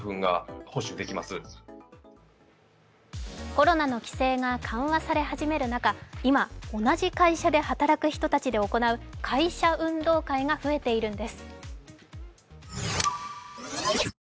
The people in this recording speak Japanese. コロナの規制が緩和され始める中、今、同じ会社で働く人たちで行う会社運動会が増えているんです。